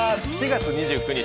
４月２９日